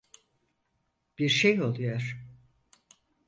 Bir şey oluyor.